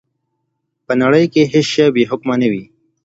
په نړۍ کي هیڅ شی بې حکمه نه وي.